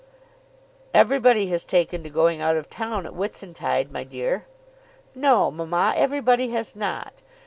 "Everybody has taken to going out of town at Whitsuntide, my dear." "No, mamma; everybody has not.